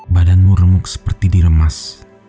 badanmu remuk seperti diremas